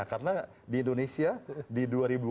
karena di indonesia di dua ribu dua puluh empat